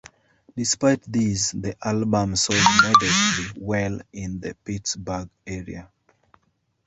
Despite this, the album sold modestly well in the Pittsburgh area.